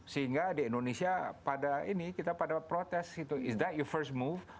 sehingga di indonesia pada ini kita pada protes itu is that you first move